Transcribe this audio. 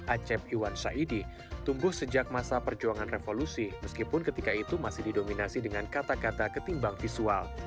acep iwan syaidi tumbuh sejak masa perjuangan revolusi meskipun ketika itu masih didominasi dengan kata kata ketimbang visual